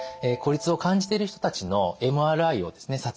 孤立を感じている人たちのＭＲＩをですね